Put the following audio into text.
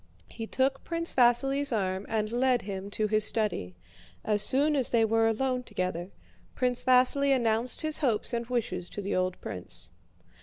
He took Prince Vasíli's arm and led him to his study. As soon as they were alone together, Prince Vasíli announced his hopes and wishes to the old prince.